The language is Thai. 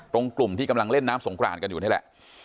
กลุ่มที่กำลังเล่นน้ำสงกรานกันอยู่นี่แหละ